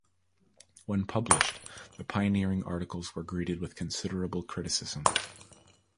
When published, the pioneering articles were greeted with considerable criticism.